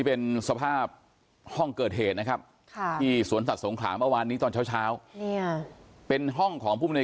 เพราะฉะนั้นคือว่าประเด็นการค้าสัตว์ป่านี่จะเป็นประเด็นที่